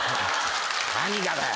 何がだよ。